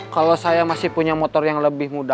kalau saya masih punya motor yang lebih muda